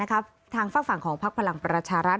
นะครับทางฝากฝั่งของภาคพลังประชารัฐ